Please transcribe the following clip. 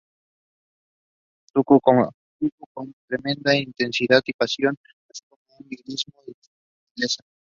Tocó con tremenda intensidad y pasión, así como con lirismo y sutileza.